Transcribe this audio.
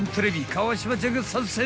川島ちゃんが参戦！